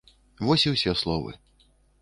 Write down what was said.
Вось і ўсе словы.